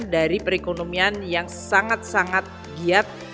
dari perekonomian yang sangat sangat giat